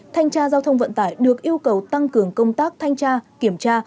thanh tra giao thông vận tải được yêu cầu tăng cường công tác thanh tra kiểm tra